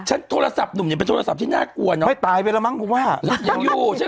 ฉันโทรศัพท์นุ่มไหนเป็นโทรศัพท์ที่น่ากล่วน